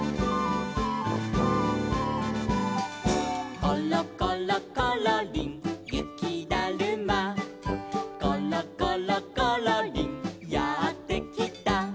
「ころころころりんゆきだるま」「ころころころりんやってきた」